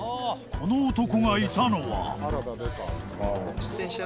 この男がいたのは